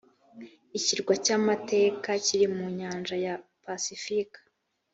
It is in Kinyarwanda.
ikirwa cya makatea kiri mu nyanja ya pasifika